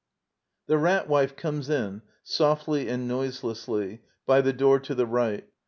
[The Rat Wife comes in, softly and noiselessly, by the door to the right.